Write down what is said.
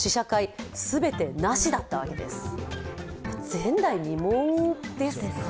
前代未聞ですか？